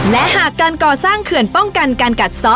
และหากการก่อสร้างเขื่อนป้องกันการกัดซ้อ